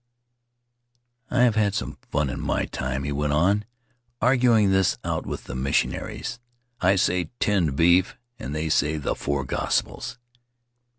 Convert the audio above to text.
"I have had some fun in my time," he went on, "arguing this out with the missionaries. I say tinned beef and they say the four gospels.